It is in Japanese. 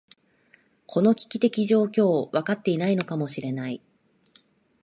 この危機的状況、分かっていないのかもしれない。